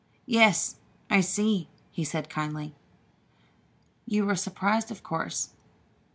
"Yes, I see," he said kindly. "You were surprised, of course.